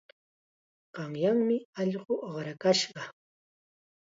Qanyanmi allqu uqrakashqa.